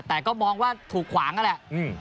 แต่ก็มองว่าถูกขวางนั่นแหละ